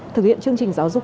thực hiện chương trình giáo dục